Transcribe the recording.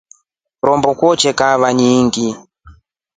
Rombo kwete kahawa nyingʼingi.